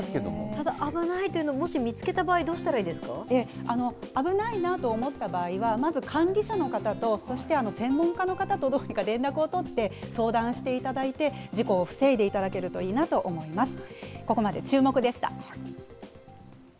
ただ、危ないというのをもし見つけた場合、どうしたらいいで危ないなと思った場合は、まず管理者の方と、そして専門家の方と、どうにか連絡を取って、相談していただいて、事故を防いでいただけるといいなと思います。